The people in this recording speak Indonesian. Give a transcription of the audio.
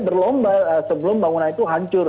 berlomba sebelum bangunan itu hancur